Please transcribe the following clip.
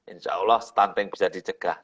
insyaallah stunting bisa dicegah